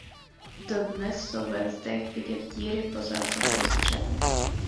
Dodnes jsou ve zdech vidět díry po zásahu střel.